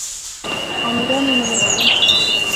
امیران ونیول شول.